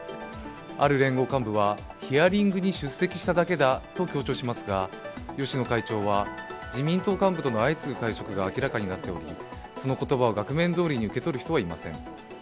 ある連合幹部は、ヒアリングに出席しただけだと強調しますが、芳野会長は自民党幹部との相次ぐ会食が明らかとなっておりその言葉を額面どおりに受け取る人はいません。